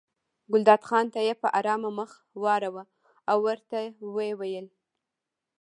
ګلداد خان ته یې په ارامه مخ واړاوه او ورته ویې ویل.